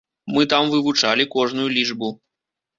Мы там вывучалі кожную лічбу.